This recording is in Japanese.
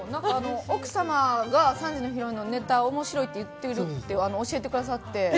奥さまが３時のヒロインのネタ、面白いって言ってると教えてくださって。